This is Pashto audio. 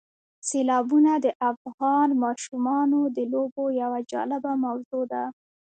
سیلابونه د افغان ماشومانو د لوبو یوه جالبه موضوع ده.